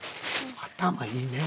頭いいね。